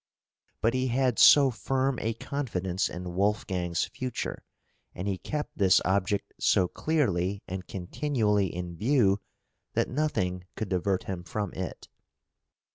But he had so firm a confidence in Wolfgang's future, and he kept this object so clearly and continually in view, that nothing could divert him from it.